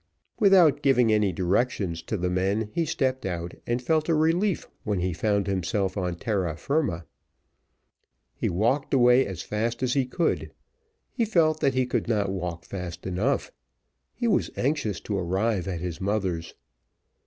Without giving any directions to the men he stepped out, and felt a relief when he found himself on terra firma. He walked away as fast as he could he felt that he could not walk fast enough he was anxious to arrive at his mother's.